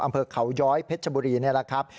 อำเภอเขาย้อยเพชรบุรีนี่แหละครับ